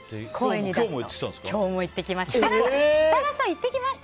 今日も言ってきました。